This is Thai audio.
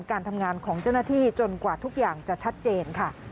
การทำงานของเจ้าหน้าที่จนกว่าทุกอย่างจะชัดเจนค่ะ